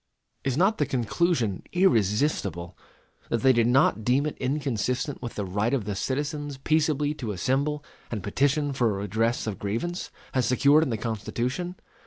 Is not the conclusion irresistible, that they did not deem it inconsistent with the right of "the citizens peaceably to assemble and petition for a redress of grievance," as secured in the Constitution?